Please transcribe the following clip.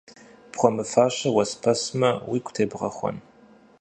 Пхуэмыфащэ уэспэсмэ, уигу тебгъэхуэн?